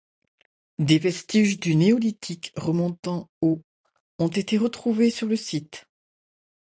Des vestiges du Néolithique remontant au ont été retrouvés sur le site.